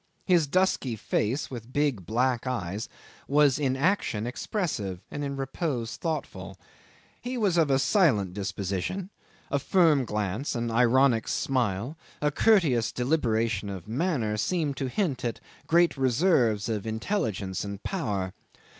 His dusky face, with big black eyes, was in action expressive, and in repose thoughtful. He was of a silent disposition; a firm glance, an ironic smile, a courteous deliberation of manner seemed to hint at great reserves of intelligence and power.